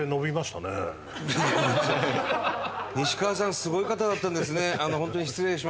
すごい方だったんですね。